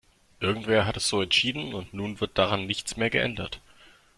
Irgendwer hat es so entschieden, und nun wird daran nichts mehr geändert.